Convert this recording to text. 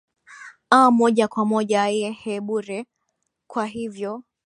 aa moja kwa moja yehee bure kwa hivyo